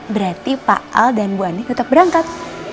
berarti pak al dan bu ani tetap berangkat